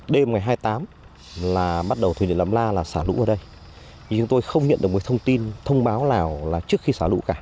đêm ngày hai mươi tám là bắt đầu thủy điện lấm la là xả lũ ở đây nhưng chúng tôi không nhận được một thông tin thông báo nào là trước khi xả lũ cả